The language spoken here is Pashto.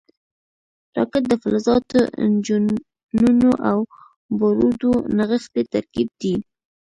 راکټ د فلزاتو، انجنونو او بارودو نغښتی ترکیب دی